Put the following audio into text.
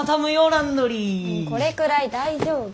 これくらい大丈夫。